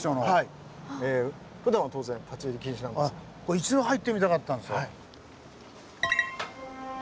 一度入ってみたかったんですよ。